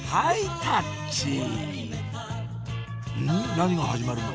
何が始まるの？